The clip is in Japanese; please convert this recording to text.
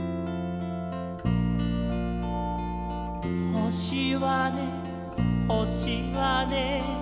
「ほしはねほしはね」